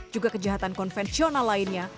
juga kejahatan konvensional lainnya